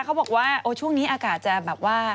เขาบอกว่าโอ้ช่วงนี้อากาศจะแบบว่า